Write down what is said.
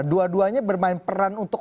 dua duanya bermain peran untuk